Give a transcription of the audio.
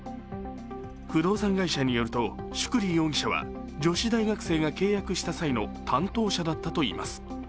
不動産会社によると宿利容疑者は女子大学生が契約した際の担当者だったといいます。